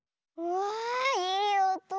わあいいおと。